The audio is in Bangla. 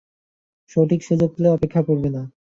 সঠিক সুযোগ পেলে অপেক্ষা করবে না।